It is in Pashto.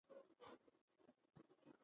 يو د مينې غږ بل د ماشوم غږ و.